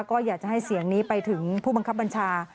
ก็อยากจะให้เสียงนี้ไปถึงผู้บังคับบัญชา